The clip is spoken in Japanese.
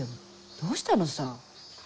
どうしたのさ？